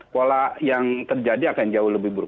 pola yang terjadi akan jauh lebih buruk